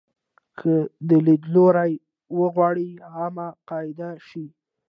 که دا لیدلوری وغواړي عامه قاعده شي.